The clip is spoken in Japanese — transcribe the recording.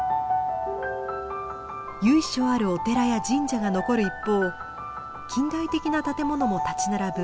由緒あるお寺や神社が残る一方近代的な建物も立ち並ぶ